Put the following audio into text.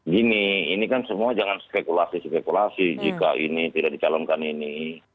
gini ini kan semua jangan spekulasi spekulasi jika ini tidak dicalonkan ini